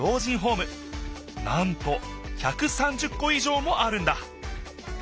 なんと１３０こいじょうもあるんだ